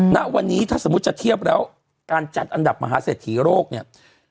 ณวันนี้ถ้าสมมุติจะเทียบแล้วการจัดอันดับมหาเศรษฐีโรคเนี่ย